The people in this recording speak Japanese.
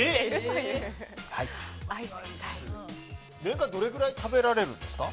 年間どれぐらい食べられるんですか？